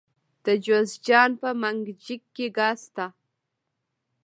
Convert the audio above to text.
د جوزجان په منګجیک کې ګاز شته.